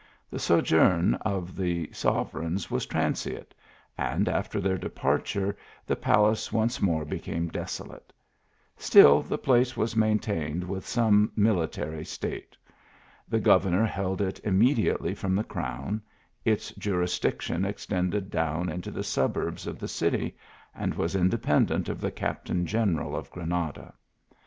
The sojourn of the sovereigns was transient ; arid, after their departure, the palace once more became desolate. Still the place was maintained with some military state. The governor held it immediately from the crown : its jurisdiction ex tended down into the suburbs of the city, and was independent of the captain general of Granada.